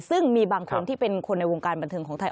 ซึ่งมีบางคนที่เป็นคนในวงการบันเทิงของไทย